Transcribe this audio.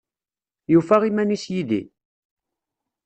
Yufa iman-is yid-i?